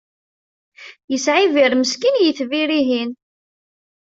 Yesɛibin meskin yitbir-ihin.